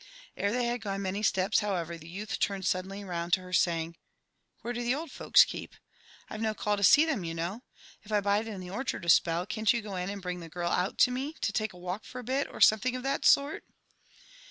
, Ere they had gone many steps, however, the youth turned suddenly round to her, saying, "Where do the old folks keep? Fve no call to see them, you know. If I bide in the orchard a spell, can't you go in, and bring the girl out to me, to take a walk for a bit, or some thing of that sort?"